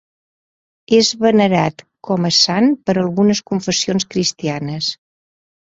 És venerat com a sant per algunes confessions cristianes.